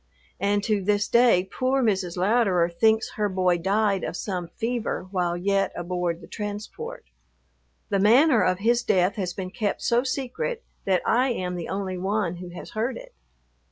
And to this day poor Mrs. Louderer thinks her boy died of some fever while yet aboard the transport. The manner of his death has been kept so secret that I am the only one who has heard it.